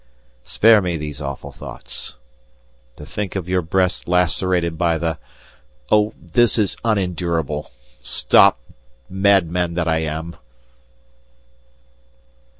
spare me these awful thoughts. To think of your breasts lacerated by the Oh! this is unendurable! Stop, madman that I am!